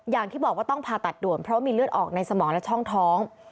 อย่างที่บอกว่าต้องผ่าตัดด่วนเพราะมีเลือดออกในสมองและช่องท้อง